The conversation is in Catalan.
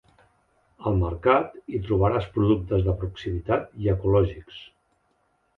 Al Mercat hi trobaràs productes de proximitat i ecològics.